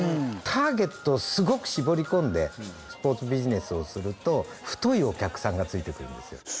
ターゲットをすごく絞り込んでスポーツビジネスをすると太いお客さんがついてくるんですよ